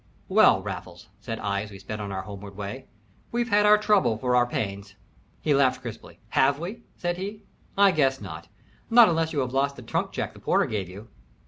"Well, Raffles," said I, as we sped on our homeward way, "we've had our trouble for our pains." He laughed crisply. "Have we?" said he. "I guess not not unless you have lost the trunk check the porter gave you."